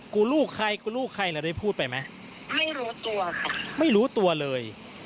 ลูกใครกูลูกใครเลยได้พูดไปไหมไม่รู้ตัวครับไม่รู้ตัวเลย